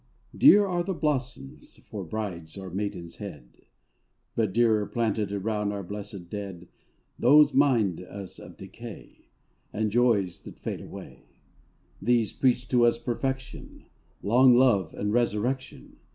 Dear are the blossoms, For bride's or maiden's head, But dearer planted Around our blessed dead. Those mind us of decay And joys that fade away, These preach to us perfection, Long love, and resurrection.